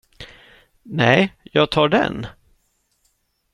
Nej, jag tar den.